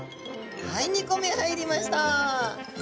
はい２個目入りました。